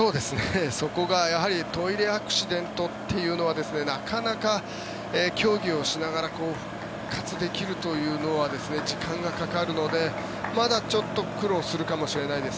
そこがトイレアクシデントというのはなかなか競技をしながら復活できるというのは時間がかかるのでまだ苦労するかもしれないです。